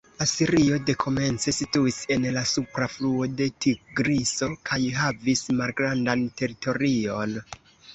Asirio dekomence situis en la supra fluo de Tigriso kaj havis malgrandan teritorion.